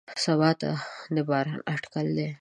سبا ته د باران اټکل دی.